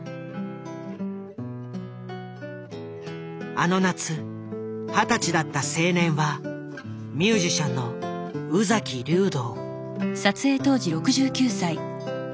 あの夏二十歳だった青年はミュージシャンの宇崎竜童。」）